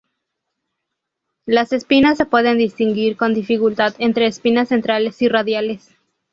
Las espinas se pueden distinguir con dificultad entre espinas centrales y radiales.